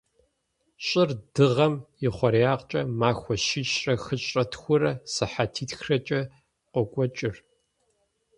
Щӏыр Дыгъэм и хъуреягъкӏэ махуэ щищрэ хыщӏрэ тхурэ сыхьэтихрэкӏэ къокӏуэкӏыр.